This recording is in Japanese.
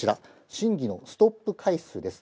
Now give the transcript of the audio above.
審議のストップ回数です。